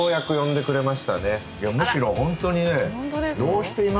むしろホントにね。